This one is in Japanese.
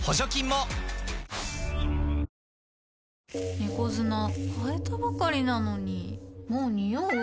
猫砂替えたばかりなのにもうニオう？